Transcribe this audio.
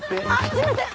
すいません！